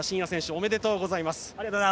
おめでとうございます。